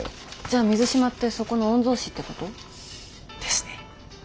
じゃあ水島ってそこの御曹子ってこと？ですね。